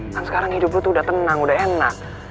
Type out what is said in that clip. kan sekarang hidup gue tuh udah tenang udah enak